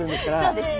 そうですね。